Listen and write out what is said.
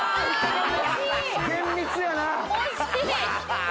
厳密やなぁ！